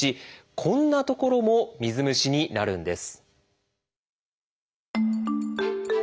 こんな所も水虫になるんです。